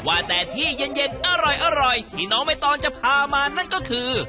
ว่าแต่ที่เย็นอร่อยที่น้องไม่ต้องจะพามานั่นก็คือ